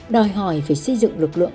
đòi hỏi phải xây dựng lực lượng